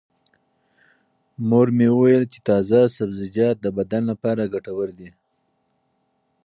مور مې وویل چې تازه سبزیجات د بدن لپاره ګټور دي.